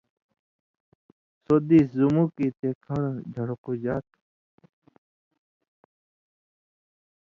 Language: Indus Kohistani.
سو دېس، زُمُک یی تے کھن٘ڑہۡ جھڑقُژا تھہ